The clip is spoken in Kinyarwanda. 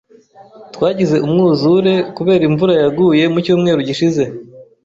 Twagize umwuzure kubera imvura yaguye mucyumweru gishize.